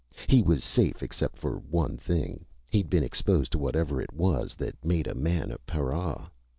He was safe except for one thing. He'd been exposed to whatever it was that made a man a para.